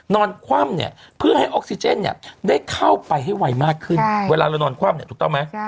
นอนคว่ำเพื่อให้ออกซิเจนได้เข้าไปให้ไหวมากขึ้นเวลานอนคว่ำถูกต้องไหม